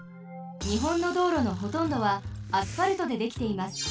日本の道路のほとんどはアスファルトでできています。